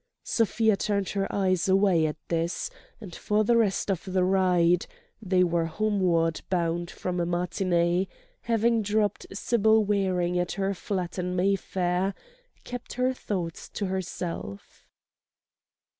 Sofia turned her eyes away at this, and for the rest of the ride—they were homeward bound from a matinée, having dropped Sybil Waring at her flat in Mayfair—kept her thoughts to herself.